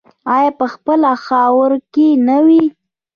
آیا په خپله خاوره کې نه وي؟